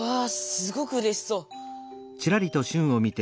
すごくうれしそう。